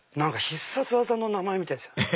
必殺技の名前みたいですよね。